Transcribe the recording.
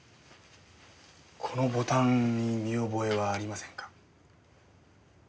このボタンに見覚えはありませんか？